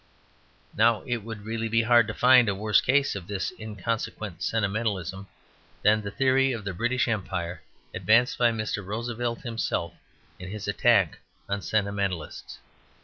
Now it would really be hard to find a worse case of this inconsequent sentimentalism than the theory of the British Empire advanced by Mr. Roosevelt himself in his attack on Sentimentalists.